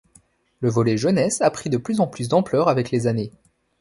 Le volet jeunesse a pris de plus en plus d'ampleur avec les années.